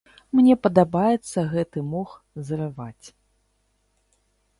Мне падабаецца гэты мох зрываць.